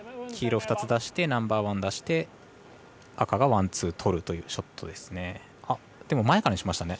黄色２つ出してナンバーワン出して赤がワン、ツー取るというショットですね。